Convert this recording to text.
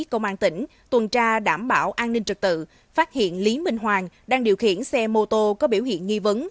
công an tỉnh tuần tra đảm bảo an ninh trật tự phát hiện lý minh hoàng đang điều khiển xe mô tô có biểu hiện nghi vấn